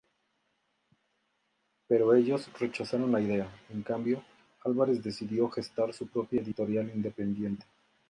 Pero ellos rechazaron la idea, en cambio, Álvarez decidió gestar su propia editorial independiente.